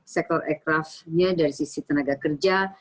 sektor ekrafnya dari sisi tenaga kerja